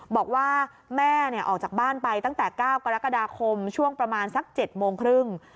บอกว่าแม่ออกจากบ้านไปตั้งแต่๙กรกฎาคมช่วงประมาณสัก๗โมงครึ่ง